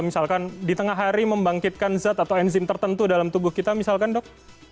misalkan di tengah hari membangkitkan zat atau enzim tertentu dalam tubuh kita misalkan dok